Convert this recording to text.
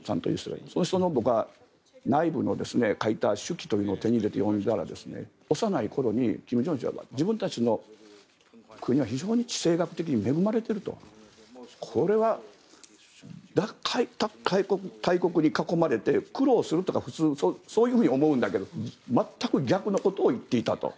その人の内部の書いた手記というのを僕は手に入れて読んだら幼い頃に金正恩氏は自分たちの国は非常に地政学的に恵まれているとこれは大国に囲まれて苦労するとか普通そう思うんだけれど全く逆のことを言っていたと。